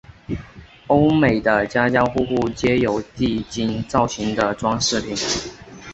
欧美的家家户户皆有地精造型的装饰品。